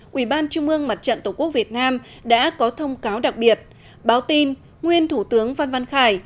quỹ ban trung ương mặt trận tổ quốc việt nam đã có thông cáo đặc biệt báo tin nguyên thủ tướng phan văn khải